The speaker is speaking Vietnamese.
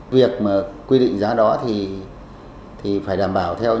việc mà quy định giá đó thì phải đảm bảo theo